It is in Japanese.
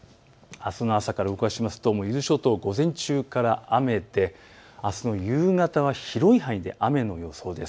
あすの朝から動かしますと伊豆諸島、午前中から雨で、あすの夕方は広い範囲で雨の予想です。